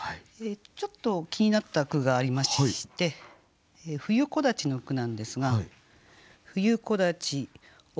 ちょっと気になった句がありまして「冬木立」の句なんですが。